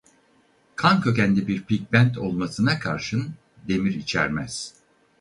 Kan kökenli bir pigment olmasına karşın demir içermez.